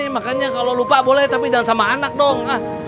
makanya kalau lupa boleh tapi jangan sama anak dong